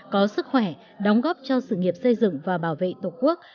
có sức khỏe đóng góp cho sự nghiệp xây dựng và bảo vệ tổ quốc